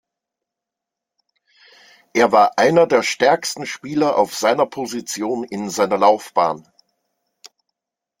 Er war einer der stärksten Spieler auf seiner Position in seiner Laufbahn.